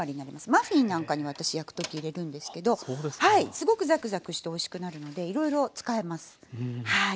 マフィンなんかには私焼く時入れるんですけどすごくザクザクしておいしくなるのでいろいろ使えます。